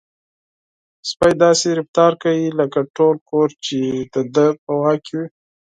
سپی داسې رفتار کوي لکه ټول کور چې د ده په واک کې وي.